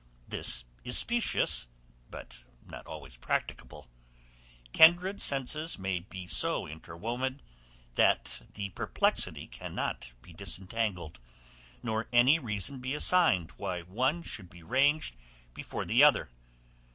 This is specious, but not always practicable; kindred senses may be so interwoven, that the perplexity cannot be disentangled, nor any reason be assigned why one should be ranged before the other.